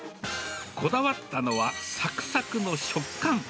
こだわったのは、さくさくの食感。